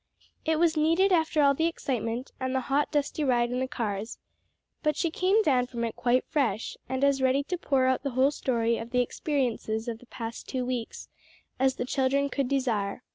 It was needed after all the excitement and the hot dusty ride in the cars; but she came down from it quite fresh, and as ready to pour out the whole story of the experiences of the past two weeks as the children could desire.